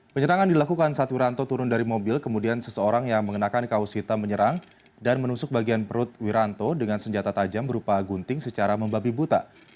penyerangan dilakukan saat wiranto turun dari mobil kemudian seseorang yang mengenakan kaos hitam menyerang dan menusuk bagian perut wiranto dengan senjata tajam berupa gunting secara membabi buta